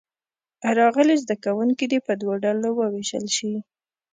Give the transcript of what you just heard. راغلي زده کوونکي دې په دوو ډلو ووېشل شي.